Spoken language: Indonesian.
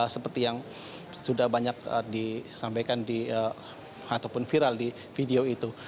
seperti yang sudah banyak disampaikan di ataupun viral di video itu